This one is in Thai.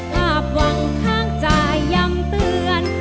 หาบหวังทางจ่ายังเตือน